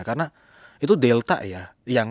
karena itu delta ya